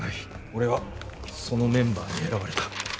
俺はそのメンバーに選ばれた。